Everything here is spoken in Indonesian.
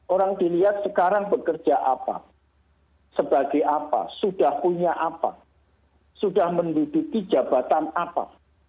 orang dilihat sekarang bekerja apa sebagai apa sudah punya apa sudah menduduki jabatan apa